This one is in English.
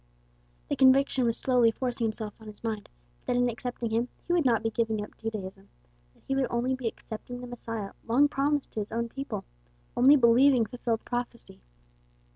The conviction was slowly forcing itself on his mind that in accepting him he would not be giving up Judaism, that he would only be accepting the Messiah long promised to his own people only believing fulfilled prophecy.